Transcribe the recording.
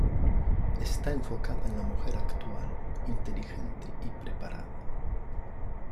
Está enfocada en la mujer actual, inteligente y preparada.